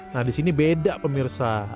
nah di sini beda pemirsa